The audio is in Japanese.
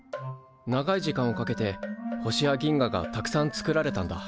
長い時間をかけて星や銀河がたくさんつくられたんだ。